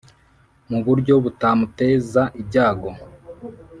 mu buryo butamuteza ibyago